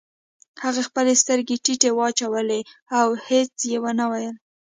هغې خپلې سترګې ټيټې واچولې او هېڅ يې ونه ويل.